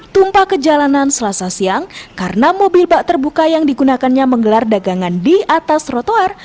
tumpah ke jalanan selasa siang karena mobil bak terbuka yang digunakannya menggelar dagangan di atas trotoar